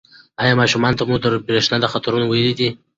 ایا ماشومانو ته مو د برېښنا د خطرونو ویلي دي؟